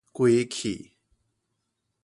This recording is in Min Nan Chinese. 規氣